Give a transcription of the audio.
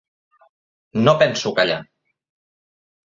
No penso callar!